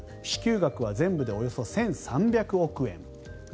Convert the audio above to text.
支給額は全部でおよそ１３００億円。